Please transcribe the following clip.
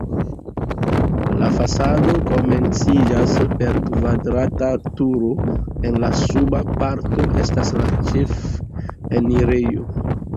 La fasado komenciĝas per kvadrata turo, en la suba parto estas la ĉefenirejo.